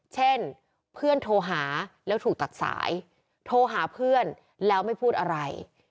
เช่นเพื่อนโทรหาแล้วถูกตัดสายโทรหาเพื่อนแล้วไม่พูดอะไร